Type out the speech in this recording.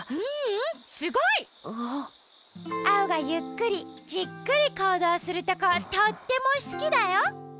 ううんすごい！アオがゆっくりじっくりこうどうするとことってもすきだよ。